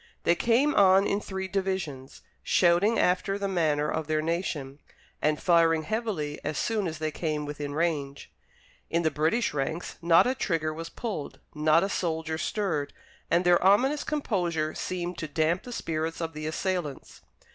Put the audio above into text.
They came on in three divisions, shouting after the manner of their nation, and firing heavily as soon as they came within range. In the British ranks not a trigger was pulled, not a soldier stirred, and their ominous composure seemed to damp the spirits of the assailants.